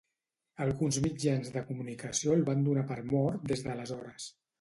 Alguns mitjans de comunicació el van donar per mort des d'aleshores.